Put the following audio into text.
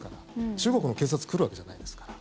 中国の警察が来るわけじゃないですから。